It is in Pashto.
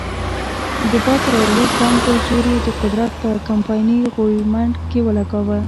د باد راوړو پانګو زور یې د قدرت په کمپایني غویمنډ کې ولګاوه.